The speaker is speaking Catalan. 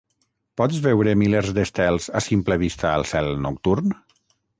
Pots veure milers d'estels a simple vista al cel nocturn?